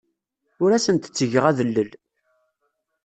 Ur asent-ttgeɣ adellel.